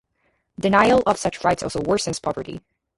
Denial of such rights also worsens poverty.